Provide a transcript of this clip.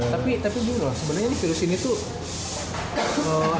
tapi bener loh sebenernya virus ini tuh